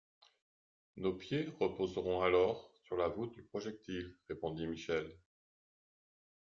Nos pieds reposeront alors sur la voûte du projectile, répondit Michel.